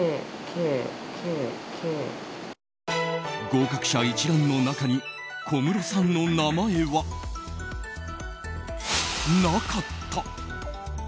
合格者一覧の中に小室さんの名前はなかった。